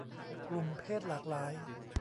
กลุ่มเพศหลากหลาย